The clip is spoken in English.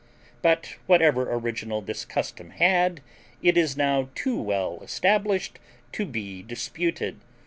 But whatever original this custom had, it is now too well established to be disputed.